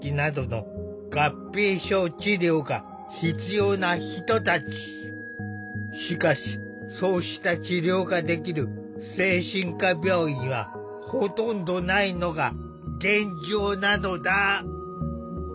入院患者の多くはしかしそうした治療ができる精神科病院はほとんどないのが現状なのだ。